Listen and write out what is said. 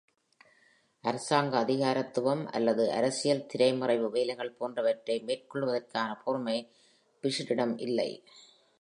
அரசாங்க அதிகாரத்துவம் அல்லது ஆரசியல் திரை மறைவு வேலைகள் போன்றவற்றை மேற்கொள்வதற்கான பொறுமை ஃபிஷரிடம் இல்லை.